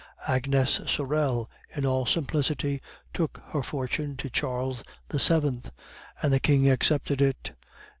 Agnes Sorel, in all simplicity, took her fortune to Charles VII., and the King accepted it.